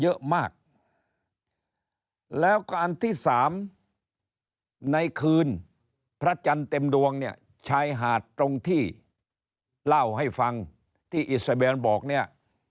เยอะมากแล้วก็อันที่สามในคืนพระจันทร์เต็มดวงเนี่ยชายหาดตรงที่เล่าให้ฟังที่อิสราเบนบอกเนี่ย